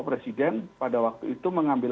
presiden pada waktu itu mengambil